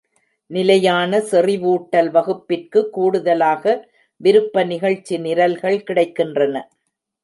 நிலையான செறிவூட்டல் வகுப்பிற்கு கூடுதலாக, விருப்ப நிகழ்ச்சி நிரல்கள் கிடைக்கின்றன.